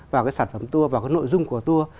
vào cái sản phẩm tour vào cái nội dung của tour